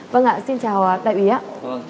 vâng ạ xin chào đại úy ạ